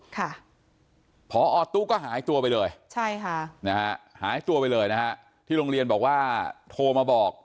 ค่ะพอตู้ก็หายตัวไปเลยใช่ค่ะนะฮะหายตัวไปเลยนะฮะที่โรงเรียนบอกว่าโทรมาบอก